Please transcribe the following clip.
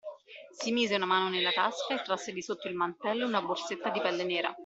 Si mise una mano nella tasca e trasse di sotto il mantello una borsetta di pelle nera.